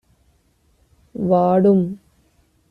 வாடும்.